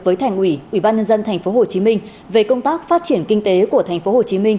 với thành ủy ủy ban nhân dân tp hcm về công tác phát triển kinh tế của tp hcm